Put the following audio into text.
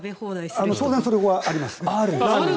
当然それはあります。